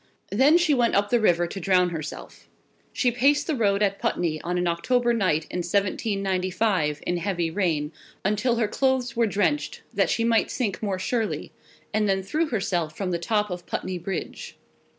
Then she went up the river to drown herself. She paced the road at Putney on an October night, in 1795, in heavy rain, until her clothes were drenched, that she might sink more surely, and then threw herself from the top of Putney Bridge.